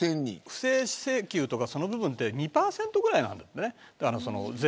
不正請求とかその部分って２％ぐらいなんだってね。